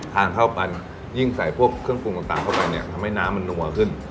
ทานเข้าไปยิ่งใส่พวกเครื่องปรุงต่างเข้าไปเนี่ยทำให้น้ำมันนัวขึ้น